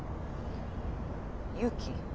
勇気？